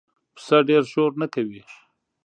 پسه ډېره شور نه کوي.